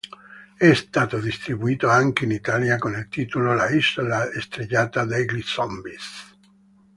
È stato distribuito anche in Italia con il titolo "L'isola stregata degli zombies".